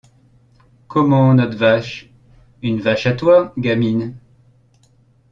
Comment, notre vache? une vache à toi, gamine!